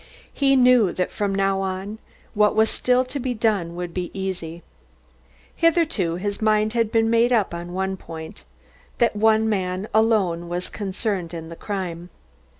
He knew that from now on what was still to be done would be easy. Hitherto his mind had been made up on one point; that one man alone was concerned in the crime.